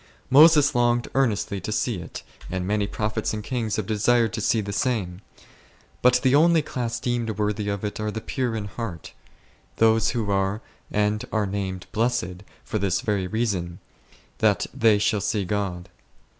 Moses longed earnestly to see it, and many prophets and kings have desired to see the same : but the only class deemed worthy of it are the pure in heart, those who are, and are named " blessed," for this very reason, that "they shall see God6."